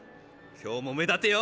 今日も目立てよ！